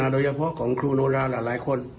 โดยเฉพาะของครูโนราหลายคน